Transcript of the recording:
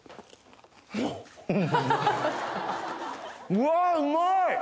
うわうまい！